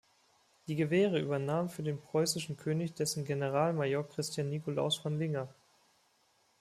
Die Gewehre übernahm für den preußischen König dessen Generalmajor Christian Nicolaus von Linger.